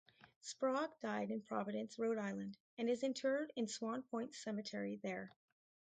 Sprague died in Providence, Rhode Island, and is interred in Swan Point Cemetery there.